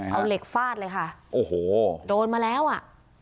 เอาเหล็กฟาดเลยค่ะโอ้โหโดนมาแล้วอ่ะ